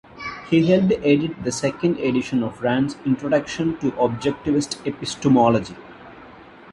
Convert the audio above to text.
He helped edit the second edition of Rand's "Introduction to Objectivist Epistemology".